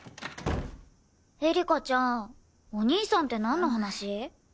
エリカちゃんお兄さんってなんの話？